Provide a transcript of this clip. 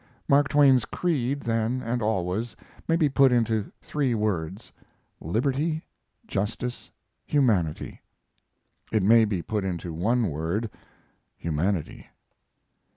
Mark Twain's creed, then and always, may be put into three words, "liberty, justice, humanity." It may be put into one word, "humanity."